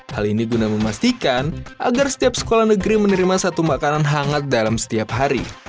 hal ini guna memastikan agar setiap sekolah negeri menerima satu makanan hangat dalam setiap hari